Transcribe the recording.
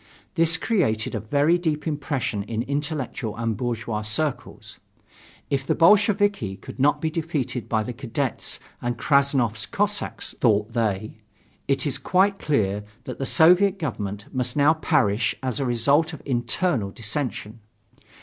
This created a very deep impression in intellectual and bourgeois circles. If the Bolsheviki could not be defeated by the cadets and Krassnov's Cossacks, thought they, it is quite clear that the Soviet government must now perish as a result of internal dissension.